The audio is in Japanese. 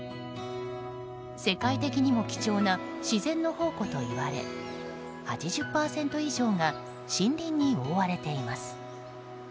世界的にも貴重な自然の宝庫といわれ８０％以上が森林に覆われています。